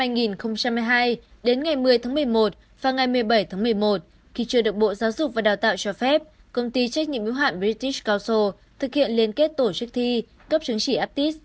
giai đoạn từ một mươi chín hai nghìn một mươi hai đến ngày một mươi một mươi một và ngày một mươi bảy một mươi một khi chưa được bộ giáo dục và đào tạo cho phép công ty trách nhiệm ưu hạn british council thực hiện liên kết tổ chức thi cấp chứng chỉ aptis